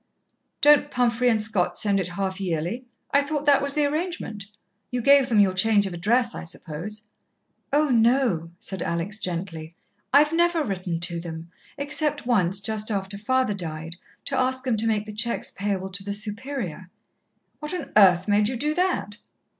"Don't Pumphrey and Scott send it half yearly? I thought that was the arrangement. You gave them your change of address, I suppose." "Oh, no," said Alex gently. "I've never written to them, except once, just after father died, to ask them to make the cheques payable to to the Superior." "What on earth made you do that?"